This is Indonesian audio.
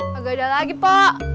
gak ada lagi po